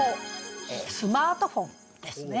スマートフォンですね。